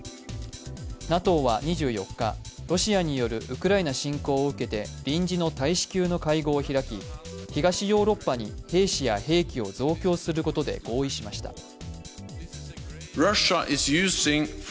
ＮＡＴＯは２４日、ロシアによるウクライナ侵攻を受けて臨時の大使級の会合を開き、東ヨーロッパに兵士や兵器を増強することで合意しました。